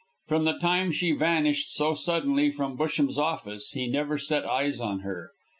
From the time she vanished so suddenly from Busham's office, he never set eyes on her.